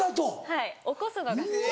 はい起こすのが好き。